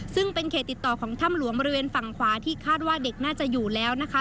ซึ่งเป็นเขตติดต่อของถ้ำหลวงบริเวณฝั่งขวาที่คาดว่าเด็กน่าจะอยู่แล้วนะคะ